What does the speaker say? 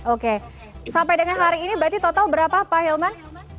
oke sampai dengan hari ini berarti total berapa pak hilman